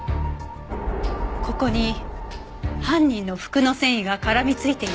ここに犯人の服の繊維が絡みついていました。